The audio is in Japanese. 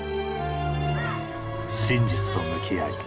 真実と向き合い